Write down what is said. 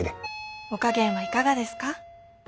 お加減はいかがですか？